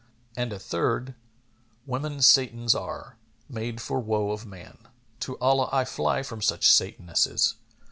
And a third, "Women Satans are, made for woe of man: * To Allah I fly from such Satanesses!